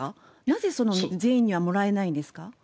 なぜその全員にはもらえないんですか。